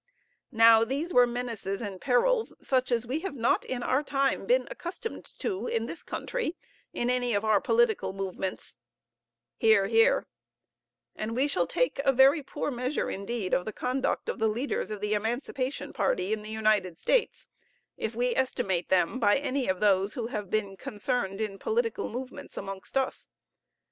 Now, these were menaces and perils such as we have not in our time been accustomed to in this country in any of our political movements, (hear, hear) and we shall take a very poor measure indeed of the conduct of the leaders of the emancipation party in the United States if we estimate them by any of those who have been concerned in political movements amongst us.